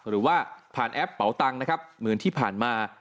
หรือว่าผ่านแอปเป๋าตังค์นะครับเหมือนที่ผ่านมา